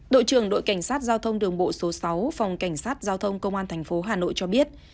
đội trưởng đội cảnh sát giao thông đường bộ số sáu phòng cảnh sát giao thông công an tp hà nội cho biết